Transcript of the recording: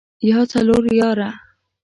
يا څلور ياره.